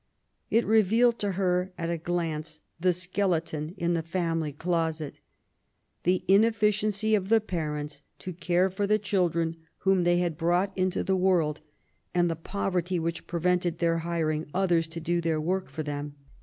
It revealed to her at a glance the skeleton in the family closet, — ^the ineffi ciency of the parents to care for the children whom they had brought into the world, and the poverty which prevented their hiring others to do their work for them.